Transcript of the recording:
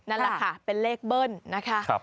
นั่นแหละค่ะเป็นเลขเบิ้ลนะคะ